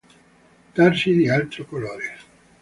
Tarsi di altro colore.